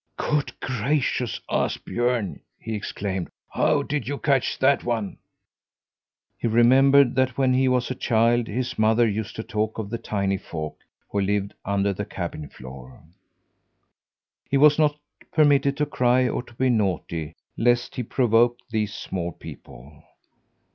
"Good gracious, Ashbjörn!" he exclaimed. "How did you catch that one?" He remembered that when he was a child his mother used to talk of the tiny folk who lived under the cabin floor. He was not permitted to cry or to be naughty, lest he provoke these small people.